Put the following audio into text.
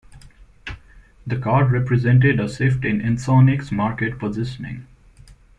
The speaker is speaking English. The card represented a shift in Ensoniq's market positioning.